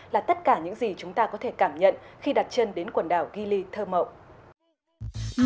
là tất cả những gì chúng ta có thể cảm nhận khi đặt chân đến quần đảo gili thơ mộng